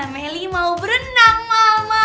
meli mau berenang mama